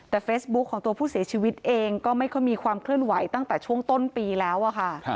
แต่เฟซบุ๊คของตัวผู้เสียชีวิตเองก็ไม่ค่อยมีความเคลื่อนไหวตั้งแต่ช่วงต้นปีแล้วอะค่ะ